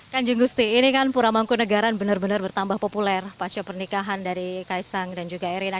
kan jung gusti ini kan pura mangkunagaran benar benar bertambah populer pasca pernikahan dari kaisang dan juga erina